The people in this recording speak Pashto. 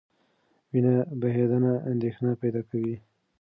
وینه بهېدنه اندېښنه پیدا کوي.